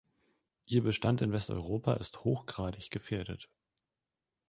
Ihr Bestand in Westeuropa ist hochgradig gefährdet.